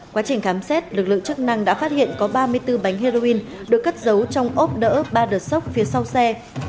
quá trình khám xét lực lượng chức năng đã phát hiện có ba mươi bốn bánh heroin được cất giấu trong ốp đỡ ba đợt sốc phía sau xe